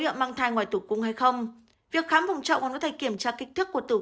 nghiệm mang thai ngoài tử cung hay không việc khám vùng trậu còn có thể kiểm tra kích thước của tổ